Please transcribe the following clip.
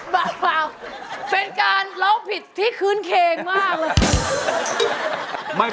เบาเป็นการร้องผิดที่คื้นเคงมากเลย